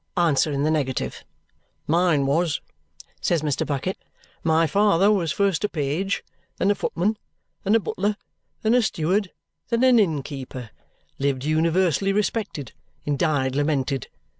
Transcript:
Answer in the negative. "Mine was," says Mr. Bucket. "My father was first a page, then a footman, then a butler, then a steward, then an inn keeper. Lived universally respected, and died lamented.